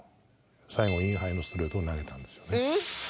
最後、インハイのストレートを投げたんですよね。